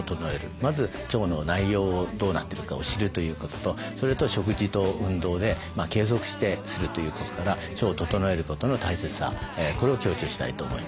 まず腸の内容をどうなってるかを知るということとそれと食事と運動で継続してするということから腸を整えることの大切さこれを強調したいと思います。